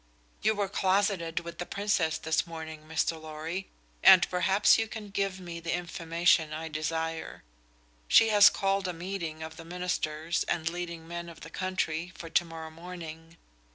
"You were closeted with the Princess this morning, Mr. Lorry, and perhaps you can give me the information I desire. She has called a meeting of the ministers and leading men of the country for to morrow morning.